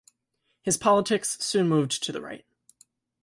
His politics soon moved to the right.